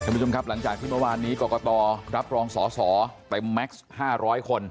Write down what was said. ท่านผู้ชมครับหลังจากที่เมื่อวานนี้กรกฎตรรับรองสอสอไปแม็กซ์ห้าร้อยคน